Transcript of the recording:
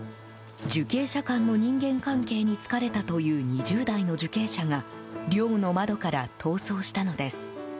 受刑者間の人間関係に疲れたという２０代の受刑者が寮の窓から逃走したのです。